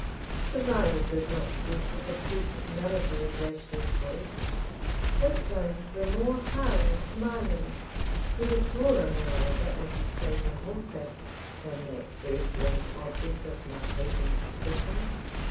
The rider did not speak with the deep melody of Rashleigh's voice; his tones were more high and commanding; he was taller, moreover, as he sate on horseback, than that first rate object of my hate and suspicion.